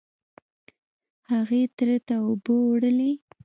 هغې تره ته اوبه وړلې.